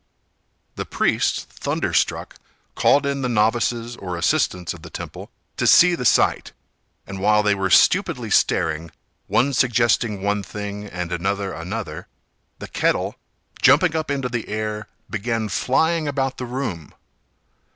The priest, thunderstruck, called in the novices or assistants of the temple to see the sight; and while they were stupidly staring, one suggesting one thing and another another, the kettle, jumping up into the air, began flying about the room.